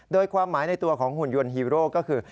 โดยความหมายในตัวของหุ่นยนต์ฮีโร่ก็คือ